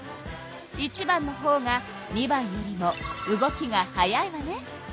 １番のほうが２番よりも動きが速いわね。